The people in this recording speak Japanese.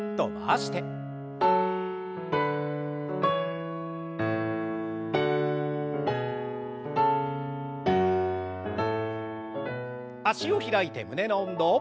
脚を開いて胸の運動。